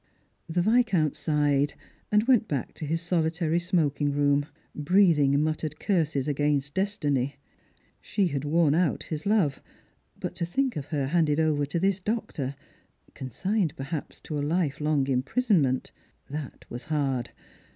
The Viscount sighed, and went back to his solitary smoking room, breathing muttered curses against destiny. She had worn out his love ; but to think of her hauded over to this doctor — consigned, perhaps, to a life long imprisonment — that waa hard.